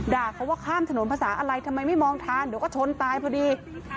ด่าเขาว่าข้ามถนนภาษาอะไรทำไมไม่มองทางเดี๋ยวก็ชนตายพอดี